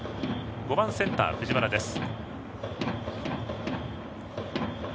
５番センター、藤原です。